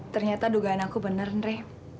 ternyata dugaan aku bener deh